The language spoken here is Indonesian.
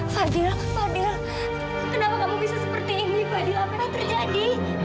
fadl apa terjadi